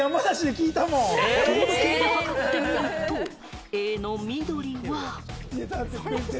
糖度計で測ってみると、Ａの緑は。